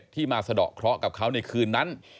ที่มาสะดอกเคราะห์กับเขาในคืนนั้น